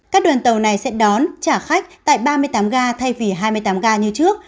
các đoàn tàu này sẽ đón trả khách tại ba mươi tám ga thay vì hai mươi tám ga như trước